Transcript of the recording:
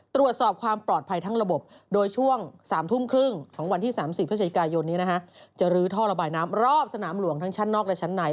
ตรวจสอบความปลอดภัยทั้งระบบโดยช่วง๓ทุ่มครึ่งของวันที่๓๐พฤศจิกายนนี้นะฮะจะลื้อท่อระบายน้ำรอบสนามหลวงทั้งชั้นนอกและชั้นใน